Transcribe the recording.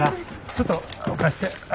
ちょっと置かして。